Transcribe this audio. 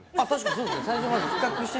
そうですね。